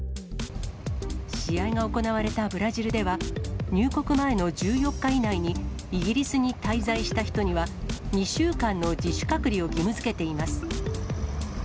試合が行われたブラジルでは、入国前の１４日以内にイギリスに滞在した人には、２週間の自主隔離を義務づけています。